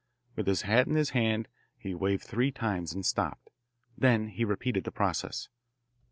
With his hat in his hand he waved three times and stopped. Then he repeated the process.